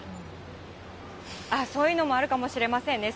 そういうのもあるかもしれませんね。